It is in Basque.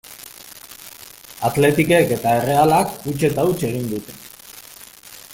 Athleticek eta Errealak huts eta huts egin dute.